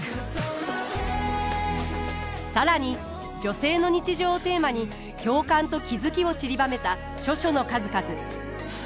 更に女性の日常をテーマに共感と気付きをちりばめた著書の数々。